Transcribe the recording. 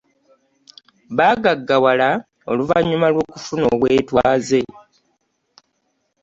Bagaggawala oluvannyuma lw'okufuna obwetwaze.